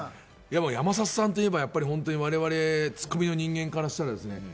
山里さんといえば、我々ツッコミの人間からしたら。